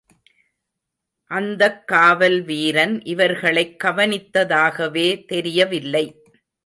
அந்தக் காவல் வீரன் இவர்களைக் கவனித்ததாகவே தெரியவில்லை.